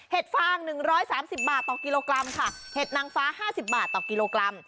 ฟาง๑๓๐บาทต่อกิโลกรัมค่ะเห็ดนางฟ้า๕๐บาทต่อกิโลกรัม